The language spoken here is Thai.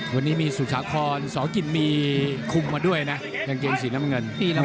วันนี้มีสุสาครสอกินมีคุมมาด้วยนะกางเกงสีน้ำเงิน